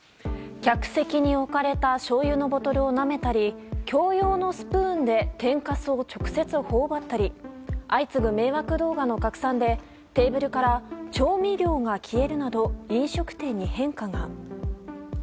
客席に置かれたしょうゆのボトルをなめたり共用のスプーンで天かすを直接ほおばったり相次ぐ迷惑動画の拡散でテーブルから調味料が消えるなど飲食店に変化が。